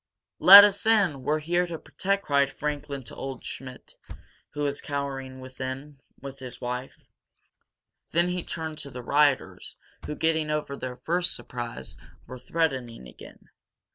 "Let us in! We're here to protect you!" cried Franklin to old Schmidt, who was cowering within, with his wife. Then he turned to the rioters, who, getting over their first surprise, were threatening again.